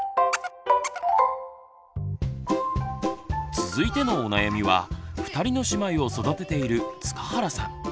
続いてのお悩みは２人の姉妹を育てている塚原さん。